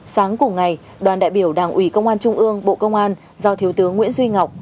sáng cùng ngày đoàn đại biểu đảng ủy công an trung ương bộ công an do thiếu tướng nguyễn duy ngọc